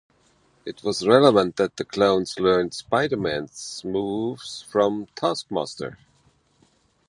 It was revealed that the clones learned Spider-Man's moves from Taskmaster.